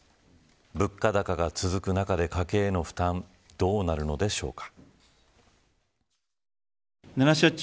物価高が続く中で家計への負担どうなるのでしょうか。